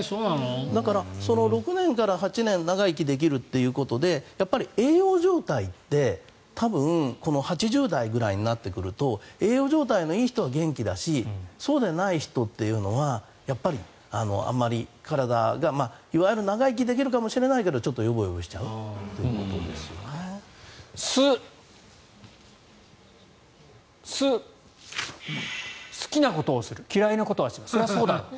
だから、その６年から８年長生きできるということで栄養状態って多分８０代ぐらいになってくると栄養状態のいい人は元気だしそうでない人というのはあまり体がいわゆる長生きできるかもしれないけどちょっとよぼよぼしちゃうということです。